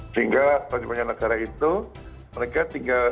sehingga bagi banyak negara itu mereka tinggal